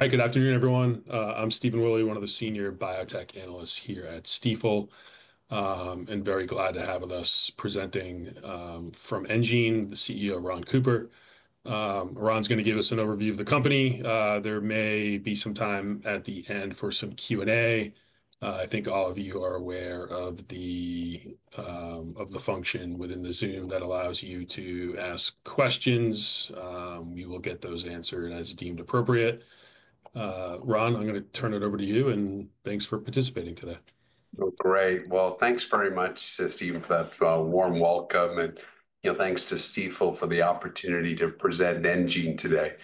Hi, good afternoon, everyone. I'm Stephen Willey, one of the senior biotech analysts here at Stifel, and very glad to have with us presenting from enGene, the CEO, Ron Cooper. Ron's going to give us an overview of the company. There may be some time at the end for some Q&A. I think all of you are aware of the function within the Zoom that allows you to ask questions. We will get those answered as deemed appropriate. Ron, I'm going to turn it over to you, and thanks for participating today. Great. Thanks very much, Stephen, for that warm welcome. Thanks to Stifel for the opportunity to present enGene today.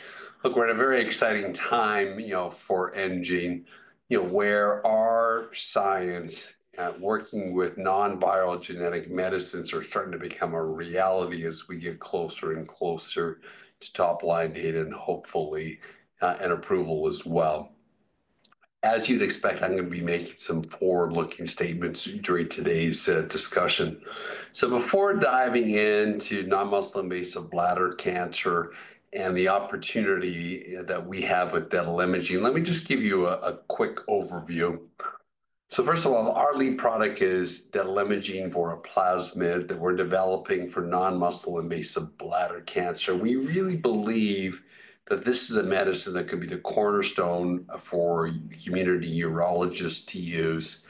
Look, we're in a very exciting time for enGene. Where our science at working with non-viral genetic medicines? They're starting to become a reality as we get closer and closer to top-line data and hopefully approval as well. As you'd expect, I'm going to be making some forward-looking statements during today's discussion. Before diving into non-muscle invasive bladder cancer and the opportunity that we have with detalimogene voraplasmid, let me just give you a quick overview. First of all, our lead product is detalimogene voraplasmid, a plasmid that we're developing for non-muscle invasive bladder cancer. We really believe that this is a medicine that could be the cornerstone for community urologists to use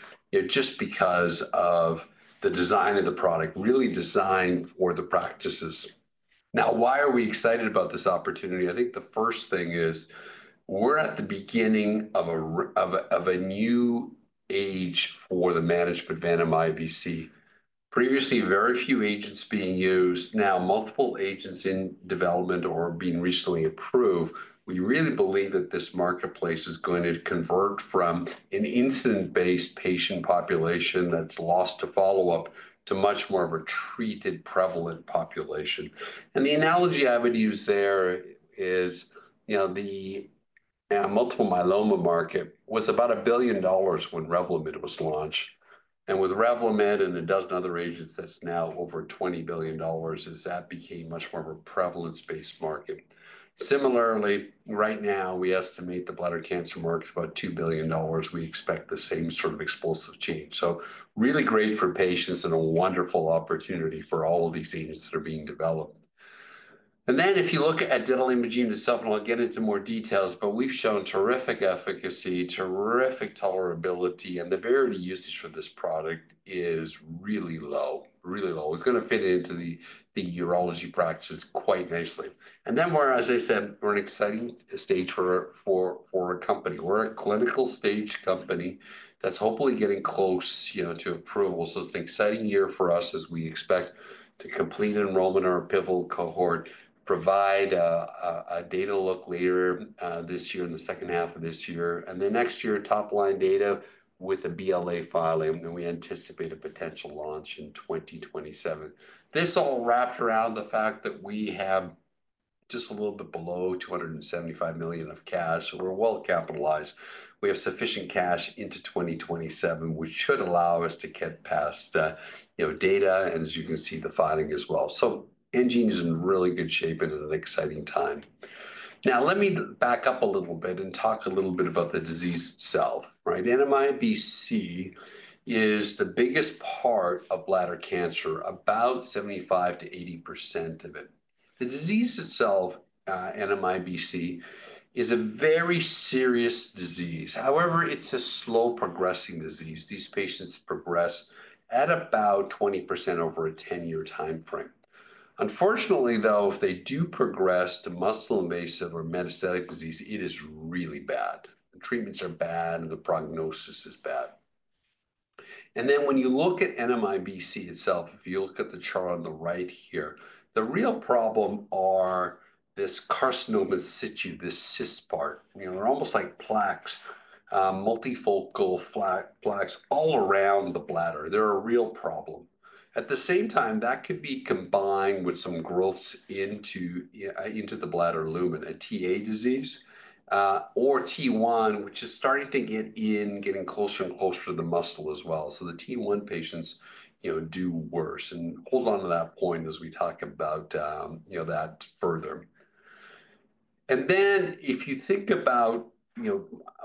just because of the design of the product, really designed for the practices. Now, why are we excited about this opportunity? I think the first thing is we're at the beginning of a new age for the management of NMIBC. Previously, very few agents being used, now multiple agents in development or being recently approved. We really believe that this marketplace is going to convert from an incident-based patient population that's lost to follow-up to much more of a treated prevalent population. The analogy I would use there is the multiple myeloma market was about $1 billion when Revlimid was launched. With Revlimid and a dozen other agents, that's now over $20 billion, as that became much more of a prevalence-based market. Similarly, right now, we estimate the bladder cancer market's about $2 billion. We expect the same sort of explosive change. Really great for patients and a wonderful opportunity for all of these agents that are being developed. If you look at detalimogene voraplasmid itself, and I'll get into more details, but we've shown terrific efficacy, terrific tolerability, and the barrier to usage for this product is really low, really low. It's going to fit into the urology practices quite nicely. As I said, we're in an exciting stage for a company. We're a clinical stage company that's hopefully getting close to approval. It's an exciting year for us as we expect to complete enrollment in our pivotal cohort, provide a data look later this year in the second half of this year, and then next year, top-line data with a BLA filing, and we anticipate a potential launch in 2027. This all wrapped around the fact that we have just a little bit below $275 million of cash. We're well capitalized. We have sufficient cash into 2027, which should allow us to get past data, and as you can see, the filing as well. enGene is in really good shape and in an exciting time. Now, let me back up a little bit and talk a little bit about the disease itself. Non-muscle invasive bladder cancer is the biggest part of bladder cancer, about 75%-80% of it. The disease itself, non-muscle invasive bladder cancer, is a very serious disease. However, it is a slow-progressing disease. These patients progress at about 20% over a 10-year timeframe. Unfortunately, though, if they do progress to muscle invasive or metastatic disease, it is really bad. The treatments are bad, and the prognosis is bad. When you look at non-muscle invasive bladder cancer itself, if you look at the chart on the right here, the real problem is this carcinoma in situ, this CIS part. They're almost like plaques, multifocal plaques all around the bladder. They're a real problem. At the same time, that could be combined with some growths into the bladder lumen, a Ta disease, or T1, which is starting to get in, getting closer and closer to the muscle as well. The T1 patients do worse. Hold on to that point as we talk about that further. If you think about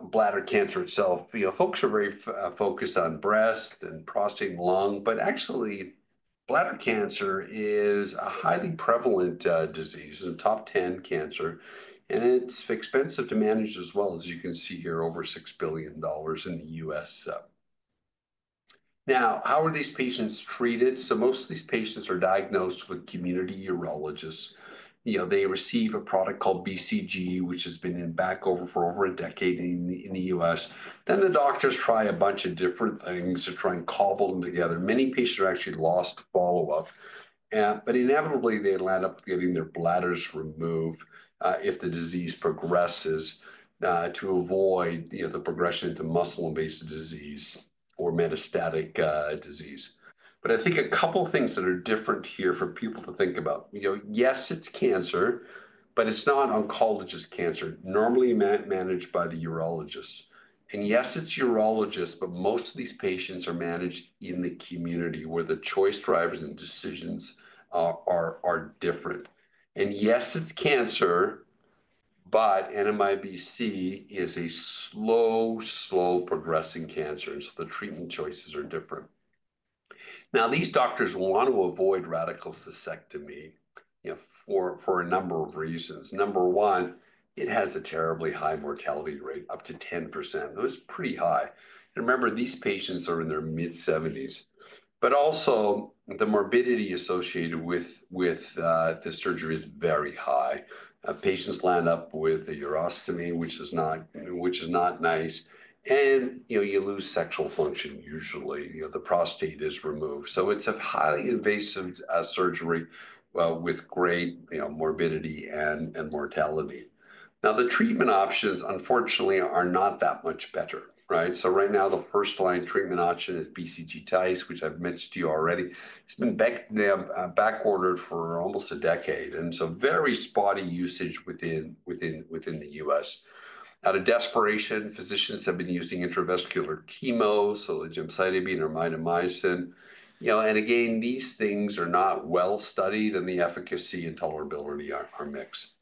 bladder cancer itself, folks are very focused on breast and prostate and lung, but actually, bladder cancer is a highly prevalent disease and top 10 cancer. It's expensive to manage as well, as you can see here, over $6 billion in the US. How are these patients treated? Most of these patients are diagnosed with community urologists. They receive a product called BCG, which has been in back over for over a decade in the US. The doctors try a bunch of different things to try and cobble them together. Many patients are actually lost to follow-up. Inevitably, they land up getting their bladders removed if the disease progresses to avoid the progression to muscle invasive disease or metastatic disease. I think a couple of things that are different here for people to think about. Yes, it's cancer, but it's not oncologist cancer, normally managed by the urologist. Yes, it's urologist, but most of these patients are managed in the community where the choice drivers and decisions are different. Yes, it's cancer, but NMIBC is a slow, slow-progressing cancer. The treatment choices are different. These doctors want to avoid radical cystectomy for a number of reasons. Number one, it has a terribly high mortality rate, up to 10%. That's pretty high. Remember, these patients are in their mid-70s. Also, the morbidity associated with the surgery is very high. Patients land up with a urostomy, which is not nice. You lose sexual function usually. The prostate is removed. It is a highly invasive surgery with great morbidity and mortality. Now, the treatment options, unfortunately, are not that much better. Right now, the first-line treatment option is BCG, which I've mentioned to you already. It's been backordered for almost a decade, and very spotty usage within the US. Out of desperation, physicians have been using intravesical chemo, so the gemcitabine or mitomycin. Again, these things are not well-studied, and the efficacy and tolerability are mixed.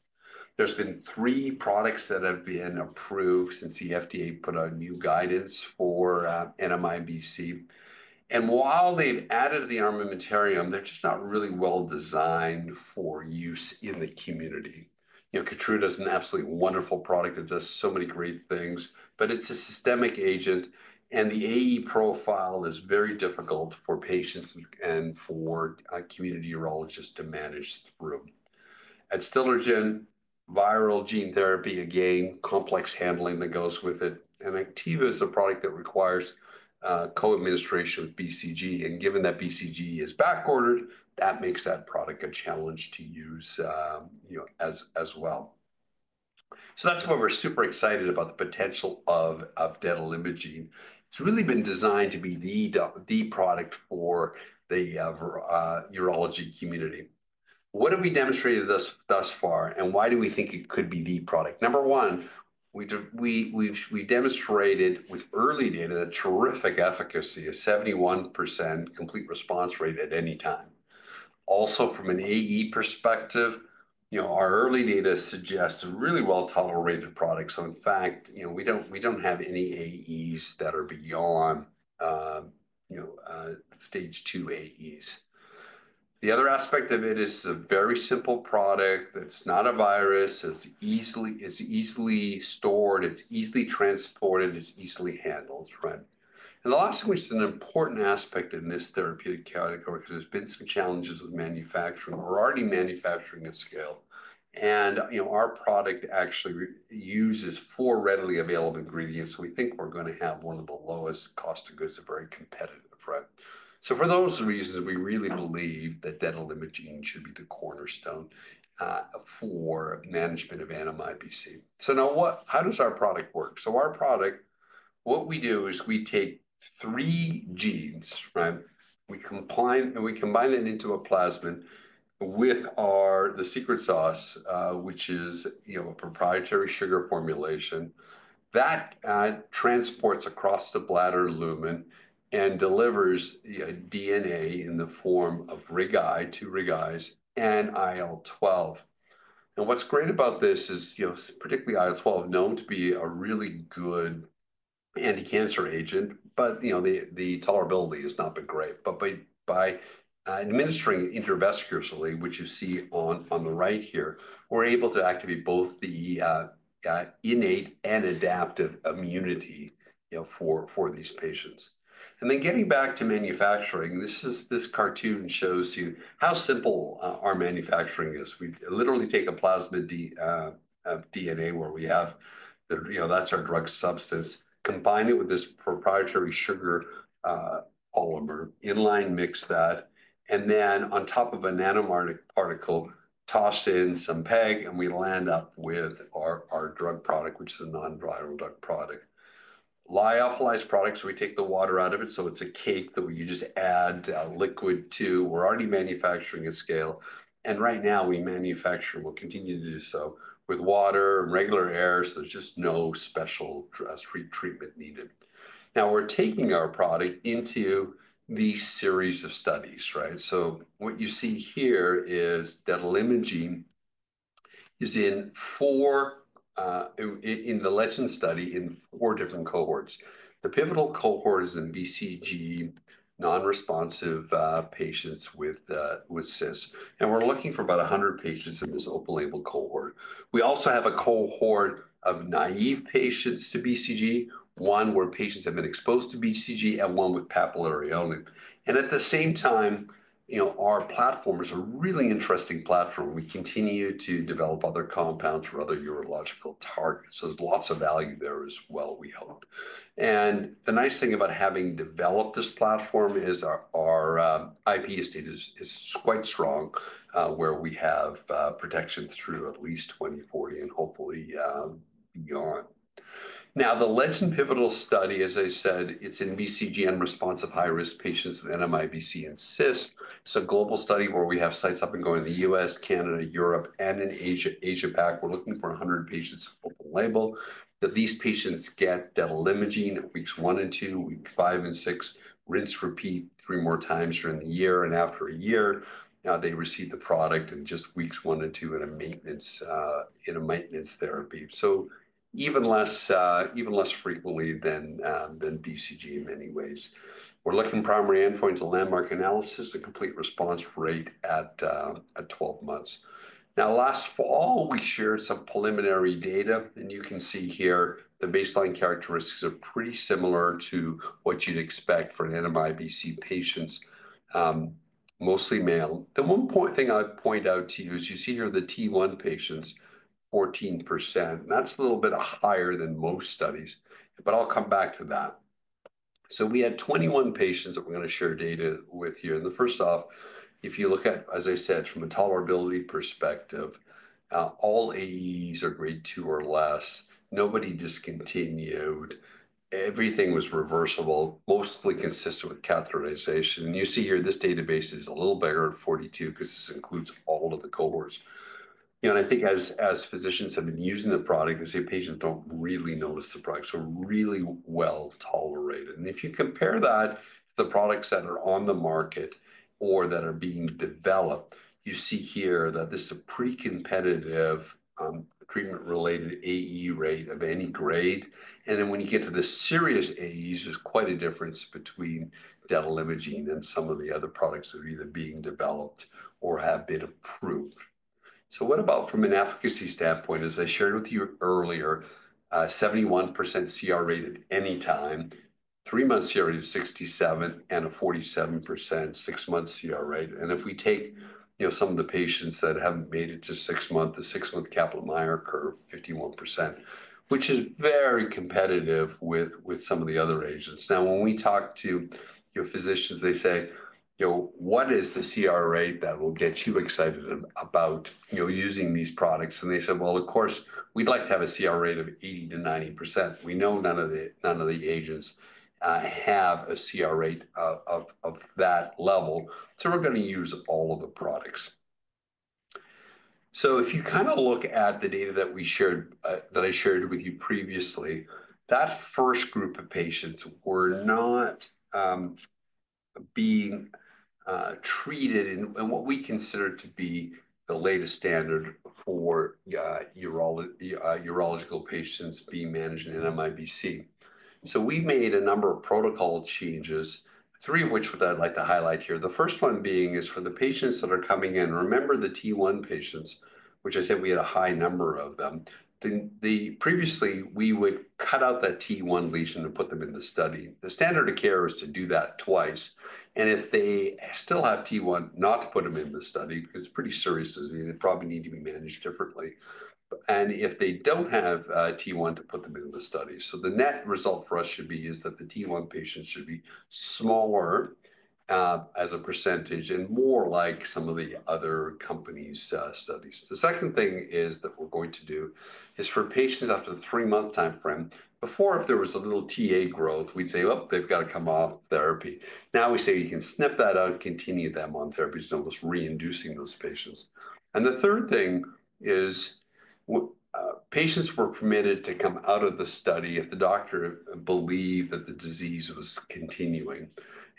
There have been three products that have been approved since the FDA put on new guidance forNMIBC. While they've added the armamentarium, they're just not really well-designed for use in the community. Keytruda is an absolutely wonderful product that does so many great things, but it's a systemic agent, and the AE profile is very difficult for patients and for community urologists to manage through. Adstiladrin, viral gene therapy, again, complex handling that goes with it. And Anktiva is a product that requires co-administration of BCG. Given that BCG is backordered, that makes that product a challenge to use as well. That is why we're super excited about the potential of detalimogene voraplasmid. It's really been designed to be the product for the urology community. What have we demonstrated thus far, and why do we think it could be the product? Number one, we demonstrated with early data the terrific efficacy of 71% complete response rate at any time. Also, from an AE perspective, our early data suggests a really well-tolerated product. In fact, we do not have any AEs that are beyond stage two AEs. The other aspect of it is a very simple product. It is not a virus. It is easily stored. It is easily transported. It is easily handled. The last thing, which is an important aspect in this therapeutic category, because there have been some challenges with manufacturing. We are already manufacturing at scale. Our product actually uses four readily available ingredients. We think we are going to have one of the lowest cost of goods that is very competitive. For those reasons, we really believe that detalimogene voraplasmid should be the cornerstone for management of NMIBC. Now, how does our product work? Our product, what we do is we take three genes, and we combine it into a plasmid with the secret sauce, which is a proprietary sugar formulation that transports across the bladder lumen and delivers DNA in the form of RIG-I agonists and IL-12. What's great about this is particularly IL-12, known to be a really good anti-cancer agent, but the tolerability has not been great. By administering it intravesically, which you see on the right here, we're able to activate both the innate and adaptive immunity for these patients. Getting back to manufacturing, this cartoon shows you how simple our manufacturing is. We literally take a plasmid DNA where we have that's our drug substance, combine it with this proprietary sugar polymer, inline mix that, and then on top of an amphiphilic particle, toss in some PEG, and we land up with our drug product, which is a non-viral drug product. Lyophilized products, we take the water out of it. So it's a cake that you just add liquid to. We're already manufacturing at scale. Right now, we manufacture and will continue to do so with water and regular air. There's just no special treatment needed. Now, we're taking our product into the series of studies. What you see here is detalimogene voraplasmid is in the LEGEND study in four different cohorts. The pivotal cohort is in BCG non-responsive patients with CIS. We're looking for about 100 patients. It is an open-label cohort. We also have a cohort of naive patients to BCG, one where patients have been exposed to BCG, and one with papillary only. At the same time, our platform is a really interesting platform. We continue to develop other compounds for other urological targets. There is lots of value there as well, we hope. The nice thing about having developed this platform is our IP estate is quite strong, where we have protection through at least 2040 and hopefully beyond. Now, the LEGEND pivotal study, as I said, is in BCG-unresponsive high-risk patients with NMIBC and CIS. It is a global study where we have sites up and going in the US, Canada, Europe, and in Asia-Pacific. We are looking for 100 patients open label. These patients get detalimogene voraplasmid at weeks one and two, weeks five and six, rinse-repeat three more times during the year. After a year, now they receive the product in just weeks one and two in a maintenance therapy. So even less frequently than BCG in many ways. We're looking at primary endpoints of landmark analysis, a complete response rate at 12 months. Now, last fall, we shared some preliminary data. And you can see here the baseline characteristics are pretty similar to what you'd expect for an antibiotic patients, mostly male. The one thing I'd point out to you is you see here the T1 patients, 14%. That's a little bit higher than most studies, but I'll come back to that. We had 21 patients that we're going to share data with here. The first off, if you look at, as I said, from a tolerability perspective, all AEs are grade two or less. Nobody discontinued. Everything was reversible, mostly consistent with catheterization. You see here, this database is a little bigger at 42 because this includes all of the cohorts. I think as physicians have been using the product, they say patients do not really notice the product. Really well tolerated. If you compare that to the products that are on the market or that are being developed, you see here that this is a pre-competitive treatment-related AE rate of any grade. When you get to the serious AEs, there is quite a difference between detalimogene voraplasmid and some of the other products that are either being developed or have been approved. What about from an efficacy standpoint, as I shared with you earlier, 71% CR rate at any time, three-month CR rate of 67%, and a 47% six-month CR rate. If we take some of the patients that have not made it to the six-month, the six-month Kaplan-Meier curve, 51%, which is very competitive with some of the other agents. When we talk to physicians, they say, "What is the CR rate that will get you excited about using these products?" They said, "Of course, we'd like to have a CR rate of 80%-90%. We know none of the agents have a CR rate of that level. We are going to use all of the products." If you kind of look at the data that I shared with you previously, that first group of patients were not being treated in what we consider to be the latest standard for urological patients being managed in NMIBC. We made a number of protocol changes, three of which I would like to highlight here. The first one being is for the patients that are coming in. Remember the T1 patients, which I said we had a high number of them. Previously, we would cut out that T1 lesion and put them in the study. The standard of care is to do that twice. If they still have T1, not to put them in the study because it's pretty serious. They probably need to be managed differently. If they don't have T1, to put them in the study. The net result for us should be is that the T1 patients should be smaller as a percentage and more like some of the other companies' studies. The second thing that we're going to do is for patients after the three-month timeframe. Before, if there was a little TA growth, we'd say, "Oh, they've got to come off therapy." Now we say, "You can snip that out and continue them on therapy." It's almost re-inducing those patients. The third thing is patients were permitted to come out of the study if the doctor believed that the disease was continuing.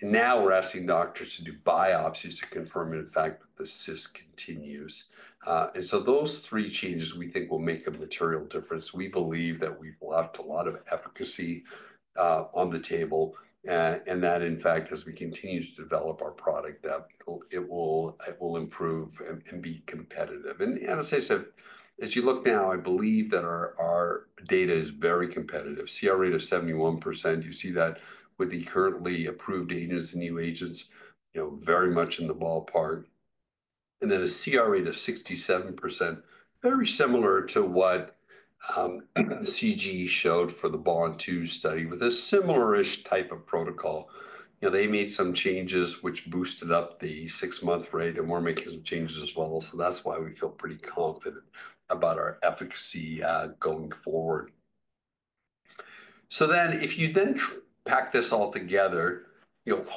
Now we're asking doctors to do biopsies to confirm, in fact, that the cyst continues. Those three changes, we think, will make a material difference. We believe that we've left a lot of efficacy on the table. In fact, as we continue to develop our product, it will improve and be competitive. As I said, as you look now, I believe that our data is very competitive. CR rate of 71%. You see that with the currently approved agents and new agents, very much in the ballpark. A CR rate of 67%, very similar to what CG Oncology showed for the BOND-2 study with a similar-ish type of protocol. They made some changes, which boosted up the six-month rate, and we're making some changes as well. That is why we feel pretty confident about our efficacy going forward. If you then pack this all together,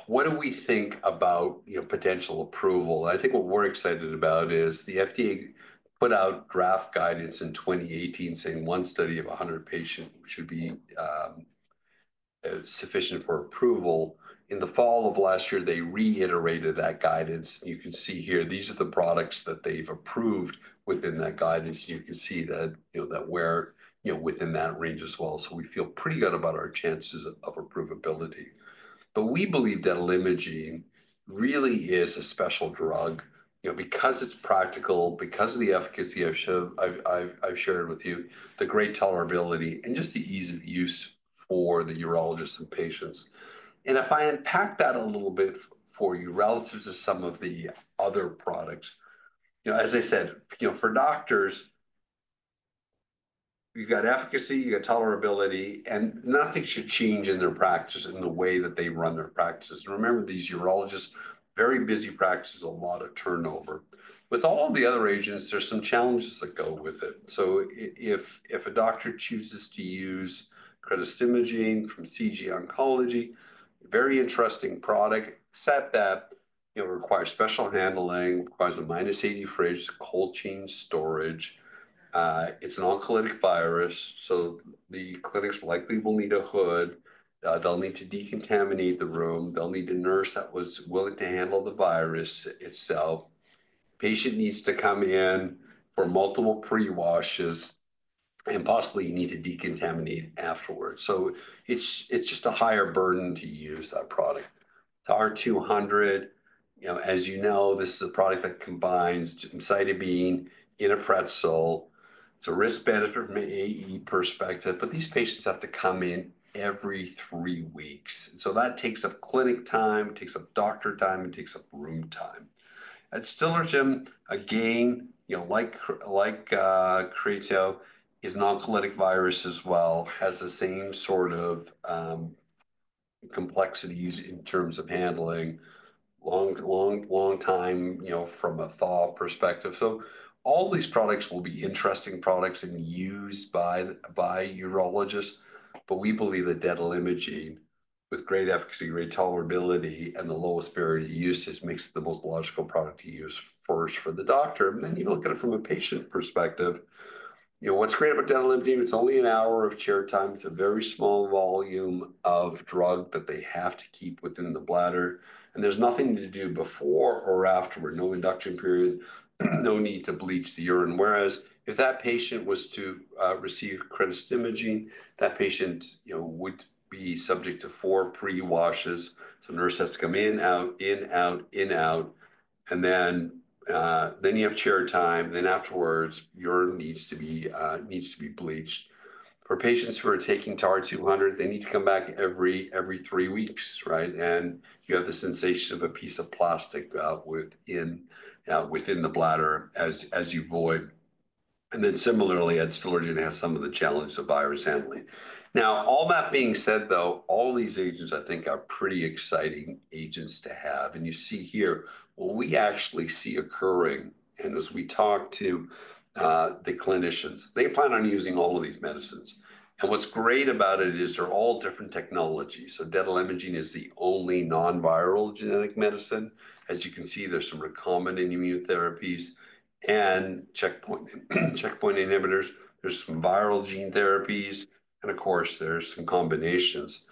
what do we think about potential approval? What we're excited about is the FDA put out draft guidance in 2018 saying one study of 100 patients should be sufficient for approval. In the fall of last year, they reiterated that guidance. You can see here, these are the products that they've approved within that guidance. You can see that we're within that range as well. We feel pretty good about our chances of approval ability. We believe detalimogene voraplasmid really is a special drug because it's practical, because of the efficacy I've shared with you, the great tolerability, and just the ease of use for the urologists and patients. If I unpack that a little bit for you relative to some of the other products, as I said, for doctors, you've got efficacy, you've got tolerability, and nothing should change in their practice in the way that they run their practices. Remember, these urologists, very busy practices, a lot of turnover. With all the other agents, there's some challenges that go with it. If a doctor chooses to use cretostimogene from CG Oncology, very interesting product, except that it requires special handling, requires a minus 80 fridge, cold chain storage. It's an oncolytic virus. The clinics likely will need a hood. They'll need to decontaminate the room. They'll need a nurse that was willing to handle the virus itself. The patient needs to come in for multiple pre-washes and possibly need to decontaminate afterwards. It is just a higher burden to use that product. The TAR-200, as you know, this is a product that combines gemcitabine, in a pretzel. It is a risk-benefit from an AE perspective. These patients have to come in every three weeks. That takes up clinic time, takes up doctor time, and takes up room time. Adstiladrin, again, like CG Oncology, it is an oncolytic virus as well, has the same sort of complexities in terms of handling, long time from a thaw perspective. All these products will be interesting products and used by urologists. We believe that detalimogene voraplasmid with great efficacy, great tolerability, and the lowest barrier to use makes it the most logical product to use first for the doctor. You look at it from a patient perspective. What's great about detalimogene voraplasmid, it's only an hour of chair time. It's a very small volume of drug that they have to keep within the bladder. There's nothing to do before or afterward, no induction period, no need to bleach the urine. Whereas if that patient was to receive Anktiva, that patient would be subject to four pre-washes. So nurse has to come in, out, in, out, in, out. Then you have chair time. Afterwards, urine needs to be bleached. For patients who are taking TAR-200, they need to come back every three weeks, right? You have the sensation of a piece of plastic within the bladder as you void. Similarly, at Adstiladrin, you're going to have some of the challenges of virus handling. All that being said, though, all these agents, I think, are pretty exciting agents to have. You see here what we actually see occurring. As we talk to the clinicians, they plan on using all of these medicines. What's great about it is they're all different technologies. So detalimogene voraplasmid is the only non-viral genetic medicine. As you can see, there's some recombinant immunotherapies and checkpoint inhibitors. There's some viral gene therapies. Of course, there are some combinations.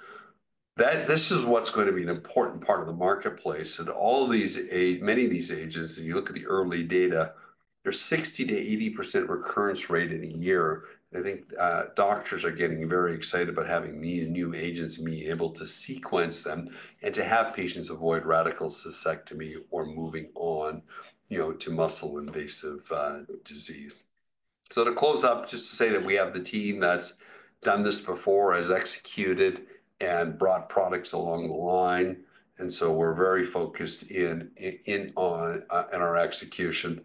This is what's going to be an important part of the marketplace. Many of these agents, if you look at the early data, there's 60-80% recurrence rate in a year. I think doctors are getting very excited about having these new agents and being able to sequence them and to have patients avoid radical cystectomy or moving on to muscle-invasive disease. To close up, just to say that we have the team that's done this before, has executed, and brought products along the line. We are very focused in our execution.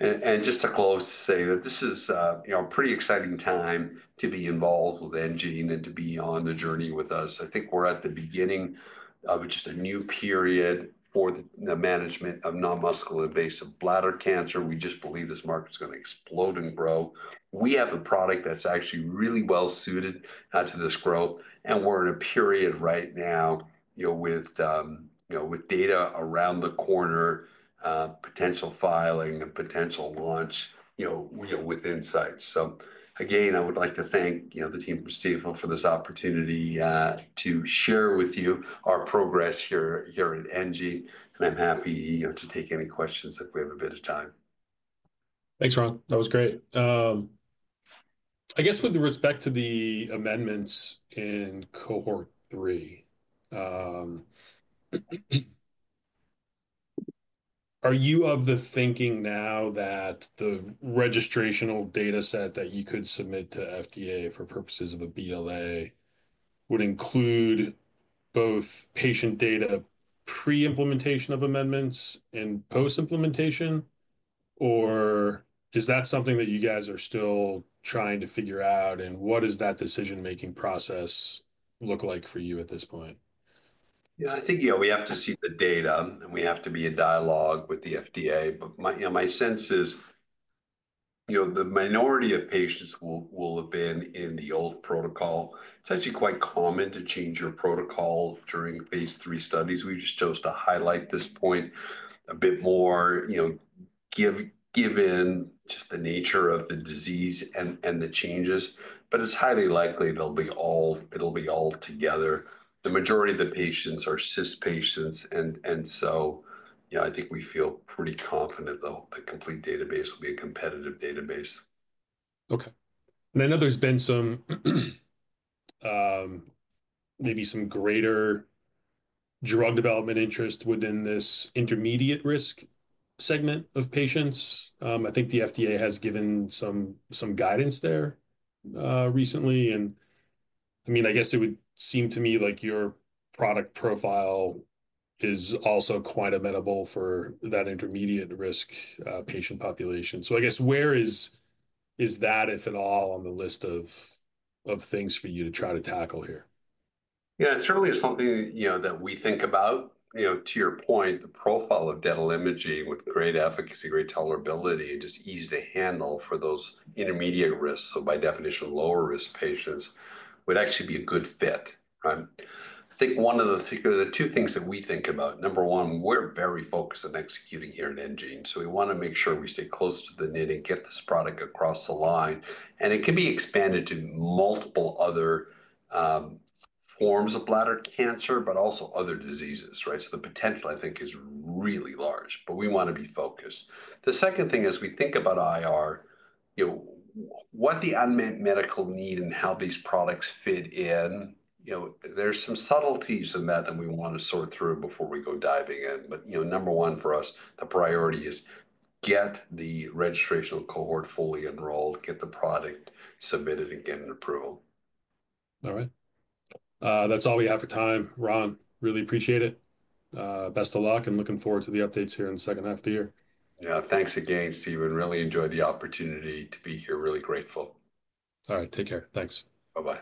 Just to close to say that this is a pretty exciting time to be involved with enGene and to be on the journey with us. I think we're at the beginning of just a new period for the management of non-muscle invasive bladder cancer. We just believe this market is going to explode and grow. We have a product that's actually really well-suited to this growth. We are in a period right now with data around the corner, potential filing, and potential launch with insights. Again, I would like to thank the team from Stifel for this opportunity to share with you our progress here at enGene. I'm happy to take any questions if we have a bit of time. Thanks, Ron. That was great. I guess with respect to the amendments in Cohort 3, are you of the thinking now that the registrational dataset that you could submit to FDA for purposes of a BLA would include both patient data pre-implementation of amendments and post-implementation? Is that something that you guys are still trying to figure out? What does that decision-making process look like for you at this point? Yeah, I think we have to see the data, and we have to be in dialogue with the FDA. My sense is the minority of patients will have been in the old protocol. It's actually quite common to change your protocol during phase three studies. We just chose to highlight this point a bit more, given just the nature of the disease and the changes. It's highly likely it'll be all together. The majority of the patients are CIS patients. I think we feel pretty confident, though, the complete database will be a competitive database. I know there's been maybe some greater drug development interest within this intermediate risk segment of patients. I think the FDA has given some guidance there recently. I mean, I guess it would seem to me like your product profile is also quite amenable for that intermediate risk patient population. I guess where is that, if at all, on the list of things for you to try to tackle here? Yeah, it certainly is something that we think about. To your point, the profile of detalimogene voraplasmid with great efficacy, great tolerability, and just easy to handle for those intermediate risks, so by definition, lower-risk patients would actually be a good fit, right? I think one of the two things that we think about, number one, we're very focused on executing here at enGene. We want to make sure we stay close to the nitty-grits of this product across the line. It can be expanded to multiple other forms of bladder cancer, but also other diseases, right? The potential, I think, is really large. We want to be focused. The second thing as we think about IR, what the unmet medical need and how these products fit in, there's some subtleties in that that we want to sort through before we go diving in. Number one for us, the priority is get the registrational cohort fully enrolled, get the product submitted, and get an approval. All right. That's all we have for time. Ron, really appreciate it. Best of luck, and looking forward to the updates here in the second half of the year. Yeah, thanks again, Stephen. Really enjoyed the opportunity to be here. Really grateful. All right. Take care. Thanks. Bye-bye.